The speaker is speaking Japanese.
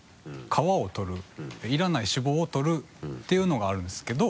皮を取るいらない脂肪を取るていうのがあるんですけど。